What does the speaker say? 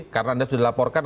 karena anda sudah dilaporkan